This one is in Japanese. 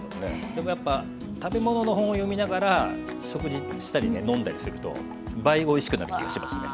でもやっぱ食べ物の本を読みながら食事したりね飲んだりすると倍おいしくなる気がしますね。